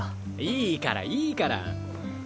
いいからいいから。